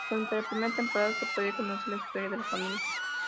Durante la primera temporada, se puede conocer la historia de la familia.